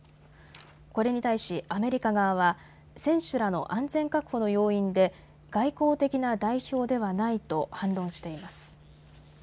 これに対しアメリカ側は選手らの安全確保の要員で外交的な代表ではないと反論しています。